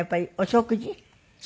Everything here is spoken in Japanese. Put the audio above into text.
食事。